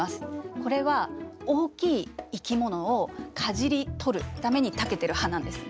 これは大きい生き物をかじり取るためにたけてる歯なんですね。